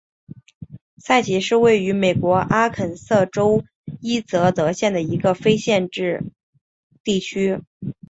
塞奇是位于美国阿肯色州伊泽德县的一个非建制地区。